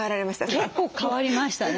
結構変わりましたね。